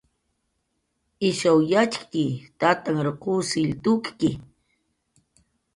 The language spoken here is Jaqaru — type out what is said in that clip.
Ishaw yatxktxi, Tantanhr qusill tukki